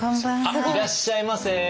あっいらっしゃいませ！